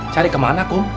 cari kemana kum